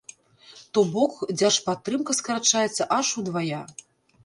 То бок, дзяржпадтрымка скарачаецца аж удвая!